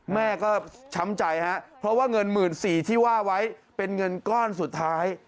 แม่ก็ช้ำใจฮะเพราะว่าเงิน๑๔๐๐ที่ว่าไว้เป็นเงินก้อนสุดท้าย